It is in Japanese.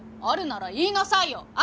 あるなら言いなさいよ。